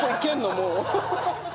もう。